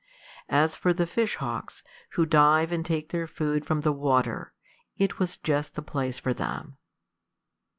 As for the fish hawks, who dive and take their food from the water, it was just the place for them.